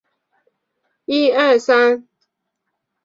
电鲇可以发出猫叫的声音。